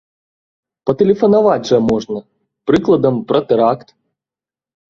Патэлефанаваць жа можна, прыкладам, пра тэракт!